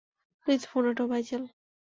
Please phone উঠাও, ফাইজাল।